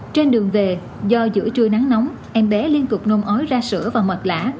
trên đường về do giữa trưa nắng nóng em bé liên cực nôn ói ra sữa và mệt lã